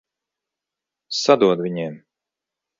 Sadod viņiem!